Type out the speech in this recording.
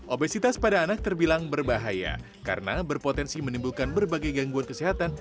obesitas pada anak terbilang berbahaya karena berpotensi menimbulkan berbagai gangguan kesehatan